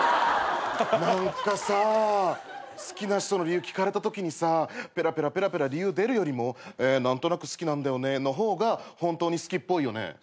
何かさ好きな人の理由聞かれたときにさペラペラペラペラ理由出るよりも「何となく好きなんだよね」の方が本当に好きっぽいよね。